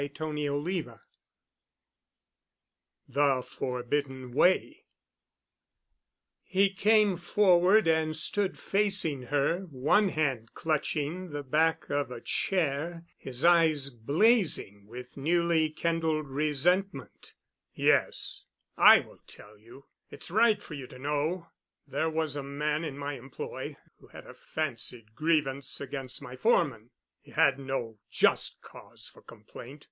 *CHAPTER IV* *THE FORBIDDEN WAY* He came forward and stood facing her, one hand clutching the back of a chair, his eyes blazing with newly kindled resentment. "Yes, I will tell you. It's right for you to know. There was a man in my employ who had a fancied grievance against my foreman. He had no just cause for complaint.